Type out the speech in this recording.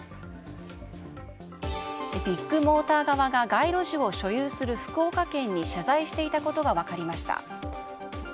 ビッグモーター側が街路樹を所有する福岡県に謝罪していたことが分かりました。